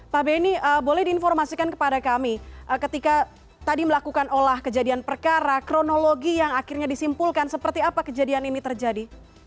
pak benny boleh diinformasikan kepada kami ketika tadi melakukan olah kejadian perkara kronologi yang akhirnya disimpulkan seperti apa kejadian ini terjadi